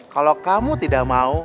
kalau kamu tidak mau